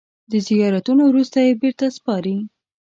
د زیارتونو وروسته یې بېرته سپاري.